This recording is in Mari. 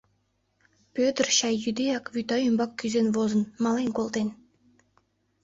Пӧдыр, чай йӱдеак, вӱта ӱмбак кӱзен возын, мален колтен.